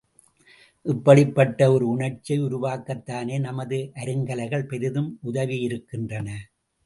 இப்படிப்பட்ட ஒரு உணர்ச்சியை உருவாக்கத்தானே நமது அருங்கலைகள் பெரிதும் உதவியிருக்கின்றன.